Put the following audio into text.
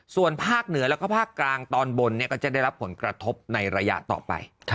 ส่วนภาคเหนือแล้วก็ภาคกลางตอนบนก็จะได้รับผลกระทบในระยะต่อไป